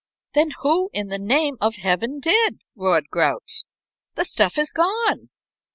"Then who in the name of Heaven did?" roared Grouch. "The stuff is gone."